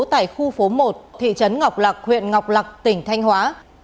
tại khu phố một thị trấn ngọc lạc huyện ngọc lạc tỉnh thanh hóa